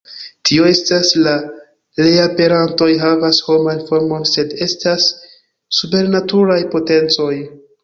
Tio estas, la reaperantoj havas homan formon sed estas supernaturaj potencoj.